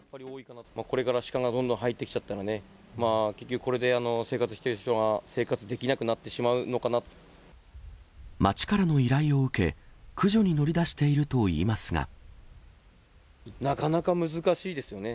これからシカがどんどん入ってきちゃったらね、まあ、結局これで生活してる人が生活できなく町からの依頼を受け、駆除になかなか難しいですよね。